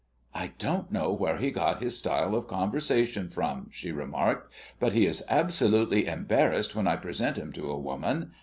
"I don't know where he got his style of conversation from," she remarked, "but he is absolutely embarrassed when I present him to a woman.